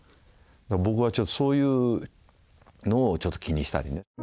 僕はそういうのをちょっと気にしたりね。